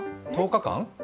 １０日間？